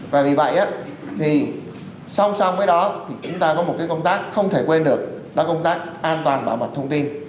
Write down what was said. và vì vậy song song với đó chúng ta có một công tác không thể quên được đó là công tác an toàn bảo mật thông tin